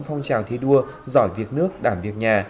phong trào thi đua giỏi việc nước đảm việc nhà